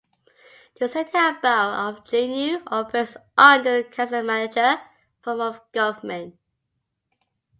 The City and Borough of Juneau operates under a council-manager form of government.